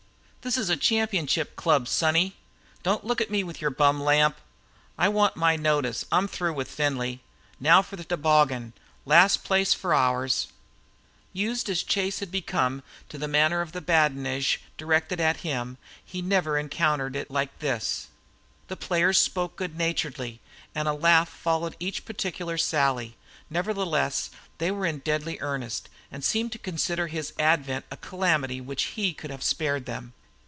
"This is a championship club, sonny." "Don't look at me with your bum lamp!" "I want my notice. I'm through with Findlay." "Now for the toboggan! Last place for ours!" Used as Chase had become to the manner of badinage directed at him, he had never encountered it like this. The players spoke good naturedly, and a laugh followed each particular sally; nevertheless they were in deadly earnest, and seemed to consider his advent a calamity which he could have spared them.